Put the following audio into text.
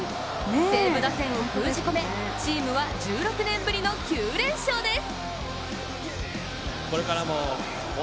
西武打線を封じ込め、チームは１６年ぶりの９連勝です。